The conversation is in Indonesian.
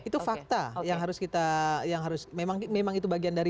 itu fakta yang harus kita memang itu bagian dari